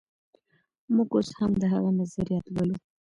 موږ اوس هم د هغه نظريات لولو.